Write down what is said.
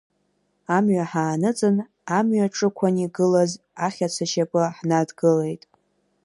Амҩа ҳааныҵын, амҩа аҿықәан игылаз ахьаца ашьапы ҳнадгылеит.